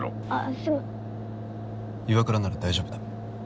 岩倉なら大丈夫だ。